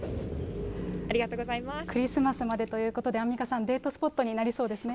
クリスマスまでということで、アンミカさん、デートスポットになりそうですね。